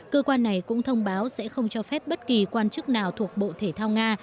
cơ quan này cũng thông báo sẽ không cho phép bất kỳ quan chức nào thuộc bộ thể thao nga